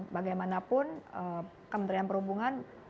bagaimanapun kementerian perhubungan